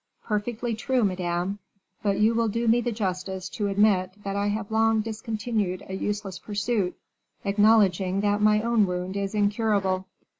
"Perfectly true, madame; but you will do me the justice to admit that I have long discontinued a useless pursuit, acknowledging that my own wound is incurable."